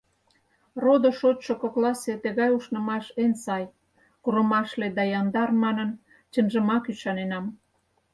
Родо-шочшо кокласе тыгай ушнымаш эн сай, курымашле да яндар манын чынжымак ӱшаненам.